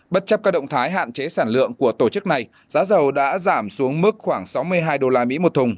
bất chấp các động thái hạn chế sản lượng của tổ chức này giá dầu đã giảm xuống mức khoảng sáu mươi hai usd một thùng